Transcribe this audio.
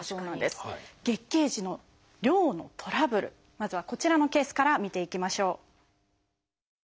まずはこちらのケースから見ていきましょう。